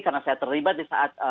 karena saya terlibat di saat